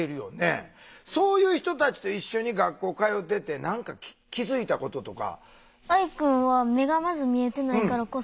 そういう人たちと一緒に学校通ってて何か気付いたこととか？